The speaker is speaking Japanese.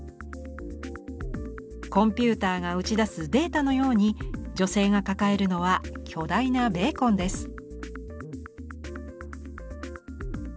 コンピューターが打ち出すデータのように女性が抱えるのは巨大なベーコンです。